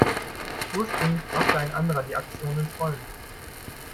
Ursprünglich brachte ein anderer die Aktion ins Rollen.